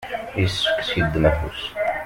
yessefk ad s-yeddem afus.